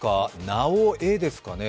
なおエですかね。